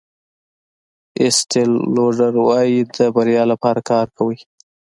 ایسټل لوډر وایي د بریا لپاره کار کوئ.